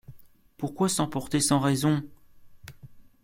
Pourquoi s’emporter sans raison ?